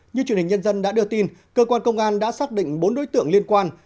như truyền hình nhân dân đã đưa tin cơ quan công an đã xác định bốn đối tượng liên quan